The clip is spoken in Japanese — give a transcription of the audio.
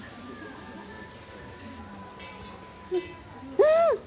うん！